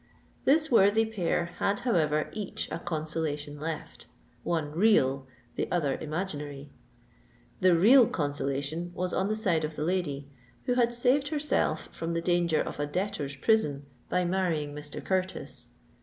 This worthy pair had, however, each a consolation left—one real, the other imaginary. The real consolation was on the side of the lady, who had saved herself from the danger of a debtor's prison by marrying Mr. Curtis.